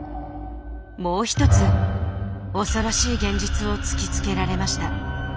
もう一つ恐ろしい現実を突きつけられました。